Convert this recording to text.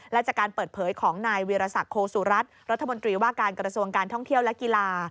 และจากการเปิดเผยของนายวีรศักดิ์โคสุรัตน์รัฐมนตรีว่าการกระทรวงการท่องเที่ยวและกีฬา